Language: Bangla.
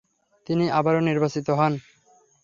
তিনি আবারো নির্বাচিত হন।